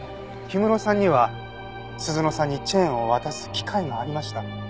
氷室さんには鈴乃さんにチェーンを渡す機会がありました。